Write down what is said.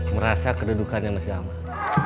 merasa kedudukannya masih aman